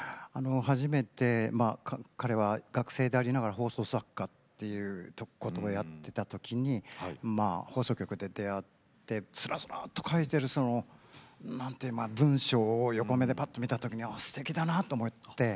初めてまあ彼は学生でありながら放送作家っていうことをやってた時にまあ放送局で出会ってすらすらっと書いてるその何ていうまあ文章を横目でパッと見た時にあすてきだなと思って。